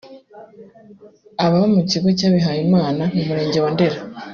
Ababa mu kigo cy’abihaye Imana mu murenge wa Ndera